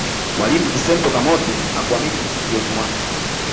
mwalimu vincent kamoto hakuamini masikioni mwake